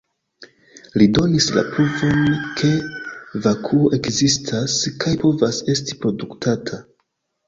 Li donis la pruvon ke vakuo ekzistas kaj povas esti produktata.